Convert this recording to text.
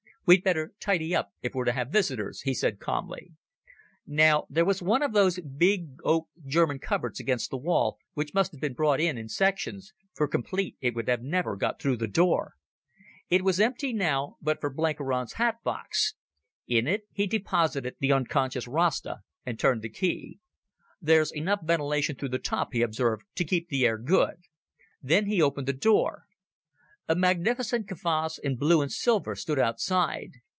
"We'd better tidy up if we're to have visitors," he said calmly. Now there was one of those big oak German cupboards against the wall which must have been brought in in sections, for complete it would never have got through the door. It was empty now, but for Blenkiron's hatbox. In it he deposited the unconscious Rasta, and turned the key. "There's enough ventilation through the top," he observed, "to keep the air good." Then he opened the door. A magnificent kavass in blue and silver stood outside.